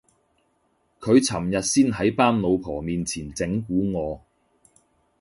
佢尋日先喺班老婆面前整蠱我